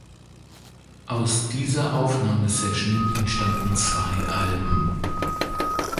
Aus dieser Aufnahmesession entstanden zwei Alben.